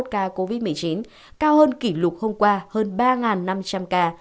một mươi tám sáu trăm sáu mươi một ca covid một mươi chín cao hơn kỷ lục hôm qua hơn ba năm trăm linh ca